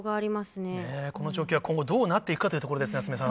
ねえ、この状況が今後どうなっていくかというところですね、夏目さん。